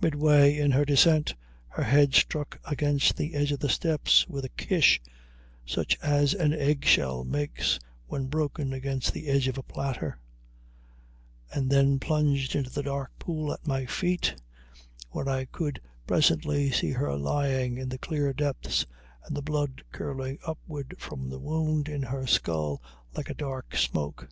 Midway in her descent her head struck against the edge of the steps, with a kish, such as an egg shell makes when broken against the edge of a platter, and then plunged into the dark pool at my feet, where I could presently see her lying in the clear depths and the blood curling upward from the wound in her skull like a dark smoke.